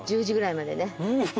１０時ぐらいまでね。